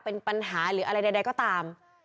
เป็นปัญหาหรืออะไรใดก็ตาม